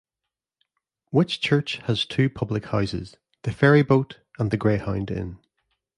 Whitchurch has two public houses, the Ferryboat and the Greyhound Inn.